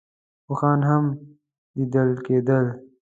اوښان هم لیدل کېدل.